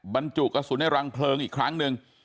บรรจุกระสุนในรังเพลิงอีกครั้งหนึ่ง